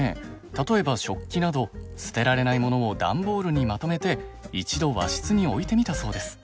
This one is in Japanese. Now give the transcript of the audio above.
例えば食器など捨てられないものを段ボールにまとめて一度和室に置いてみたそうです。